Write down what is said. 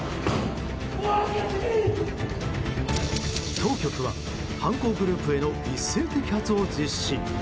当局は犯行グループへの一斉摘発を実施。